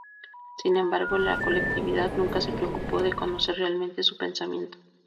Sin embargo, la colectividad nunca se preocupó de conocer realmente su pensamiento.